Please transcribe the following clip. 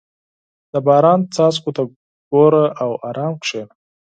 • د باران څاڅکو ته ګوره او ارام کښېنه.